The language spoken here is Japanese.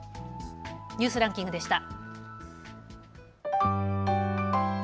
ニュースランキングでした。